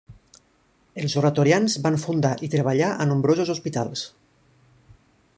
Els oratorians van fundar i treballar a nombrosos hospitals.